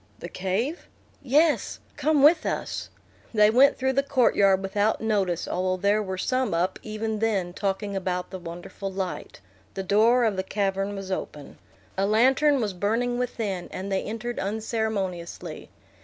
"The cave?" "Yes. Come with us." They went through the court yard without notice, although there were some up even then talking about the wonderful light. The door of the cavern was open. A lantern was burning within, and they entered unceremoniously.